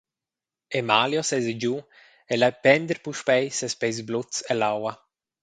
Emalio sesa giu e lai pender puspei ses peis bluts ell’aua.